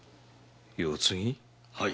はい。